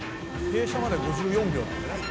停車まで５４秒なんだね。